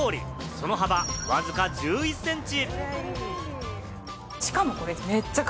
その幅、わずか１１センチ。